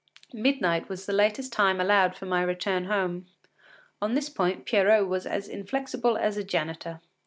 Midnight was the latest time allowed for my return home. On this point Pierrot was as inflexible as a janitor.